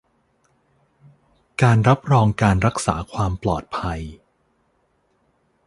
การรับรองการรักษาความปลอดภัย